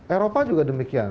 eropa juga demikian